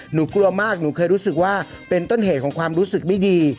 หนูกลัวมากหนูเคยรู้สึกว่าเป็นต้นเหตุของความรู้สึกไม่ดี